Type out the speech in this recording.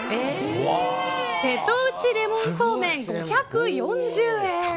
瀬戸内レモンそうめん、５４０円。